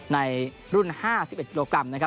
ในรุ่น๕๑โลกรัม